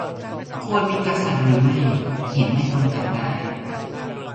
- ควรมีกษัตริย์หรือไม่ เห็นไม่ตรงกันได้